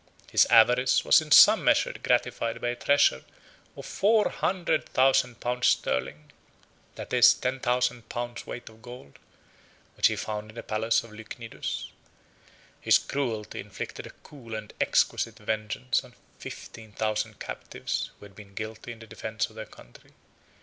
His avarice was in some measure gratified by a treasure of four hundred thousand pounds sterling, (ten thousand pounds' weight of gold,) which he found in the palace of Lychnidus. His cruelty inflicted a cool and exquisite vengeance on fifteen thousand captives who had been guilty of the defence of their country.